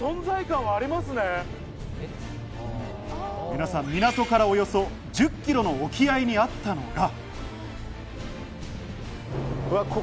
皆さん、港からおよそ１０キロの沖合にあったのが。